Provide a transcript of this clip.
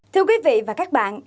thưa quý vị và các bạn